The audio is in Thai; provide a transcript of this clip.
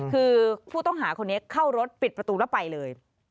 คือผู้ต้องหาคนนี้เข้ารถปิดประตูแล้วไปเลย